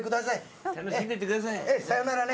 さよならね。